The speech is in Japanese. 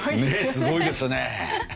ねえすごいですね！